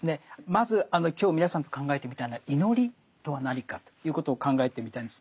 まず今日皆さんと考えてみたいのは祈りとは何かということを考えてみたいんです。